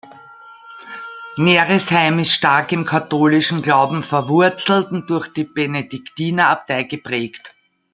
Neresheim ist stark im katholischen Glauben verwurzelt und durch die Benediktinerabtei geprägt.